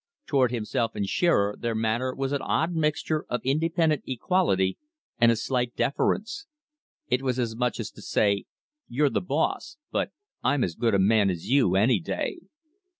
Toward himself and Shearer their manner was an odd mixture of independent equality and a slight deference. It was as much as to say, "You're the boss, but I'm as good a man as you any day."